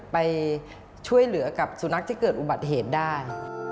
ไปช่วยเหลือกับสุนัขที่เกิดอุบัติเหตุได้